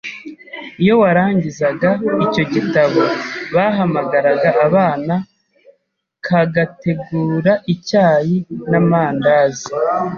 Iyo warangizaga icyo gitabo bahamagaraga abana kagategura icyayi n’ amandazi